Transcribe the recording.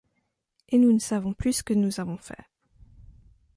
Et nous ne savons plus ce que nous avons fait